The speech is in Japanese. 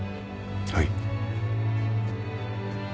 はい。